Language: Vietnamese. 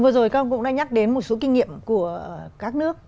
vừa rồi con cũng đã nhắc đến một số kinh nghiệm của các nước